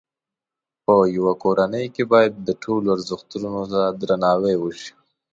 په یوه کورنۍ کې باید د ټولو ازرښتونو ته درناوی وشي.